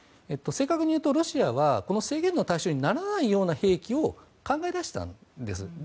正確にいうとロシアは制限の対象にならないような兵器を考え出したんです。